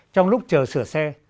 trong lúc chờ sửa xe